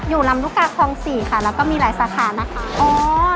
อยู่ลำรุกาคลอง๔ค่ะแล้วก็มีหลายสาขานะคะ